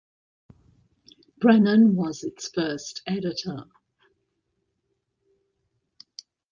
Brennan was its first editor.